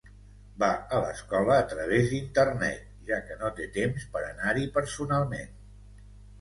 Va a l'escola a través d'internet, ja que no té temps per anar-hi personalment.